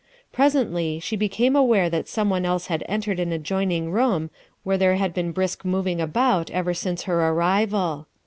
Presently she became aware that some one else had entered an adjoining room where there had been brisk moving about ever since her arrival.